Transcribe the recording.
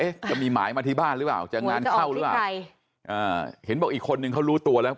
จะมีหมายมาที่บ้านหรือเปล่าจะงานเข้าหรือเปล่าใช่อ่าเห็นบอกอีกคนนึงเขารู้ตัวแล้ว